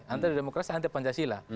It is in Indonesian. anti demokrasi anti pancasila